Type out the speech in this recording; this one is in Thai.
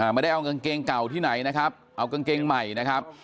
ไม่ได้เอากางเกงเก่าที่ไหนนะครับเอากางเกงใหม่นะครับ